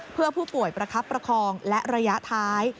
เพื่อผู้ป่วยประคับประคองและระยะท้าย